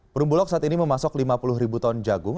perumbulok saat ini memasok lima puluh ribu ton jagung